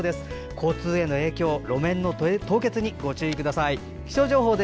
交通への影響や路面の凍結にご注意ください。